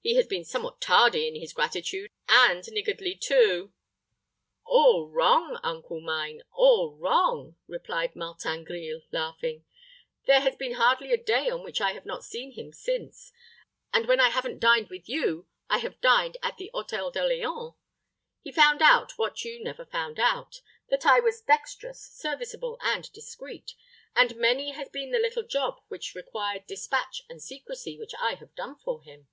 He has been somewhat tardy in his gratitude, and niggardly, too." "All wrong, uncle mine, all wrong!" replied Martin Grille, laughing. "There has been hardly a day on which I have not seen him since, and when I hav'n't dined with you, I have dined at the Hôtel d'Orleans. He found out what you never found out: that I was dexterous, serviceable, and discreet, and many has been the little job which required dispatch and secrecy which I have done for him."